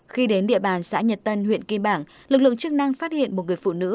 khi đến địa bàn xã nhật tân huyện kim bảng lực lượng chức năng phát hiện một người phụ nữ